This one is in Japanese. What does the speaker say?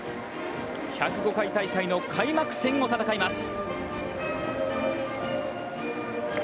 １０５回大会の開幕戦を戦います。